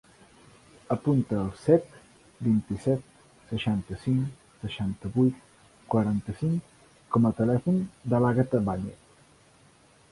Apunta el set, vint-i-set, seixanta-cinc, seixanta-vuit, quaranta-cinc com a telèfon de l'Àgata Bañez.